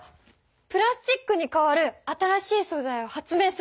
プラスチックにかわる新しいそざいを発明すれば！